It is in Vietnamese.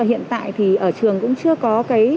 hiện tại ở trường cũng chưa có